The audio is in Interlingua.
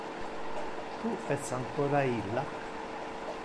Tu es ancora illac?